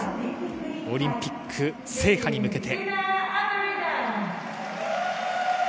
オリンピック制覇に向けて。